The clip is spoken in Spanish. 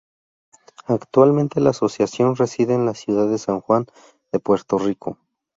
Actualmente la Asociación reside en la ciudad de San Juan de Puerto Rico.